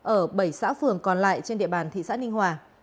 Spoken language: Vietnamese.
ở bảy xã phường còn lại trên địa bàn thị xã ninh hòa